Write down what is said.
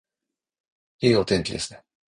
いいお天気ですね